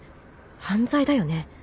犯罪だよね？